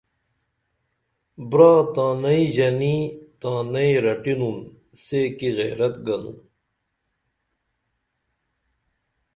برا تانئیں ژنی تانئیں رٹنُن سے کی غیرت گنن